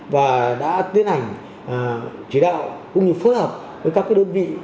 và đã tiến hành chỉ đạo cũng như phối hợp với các đơn vị